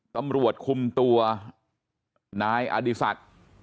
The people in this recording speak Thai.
ตำรวจคุมตัวนายอดิษัท